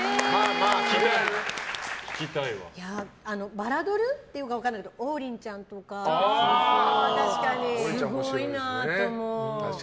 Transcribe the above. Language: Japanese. バラドルっていうか分からないんですけど王林ちゃんとかすごいなと思う。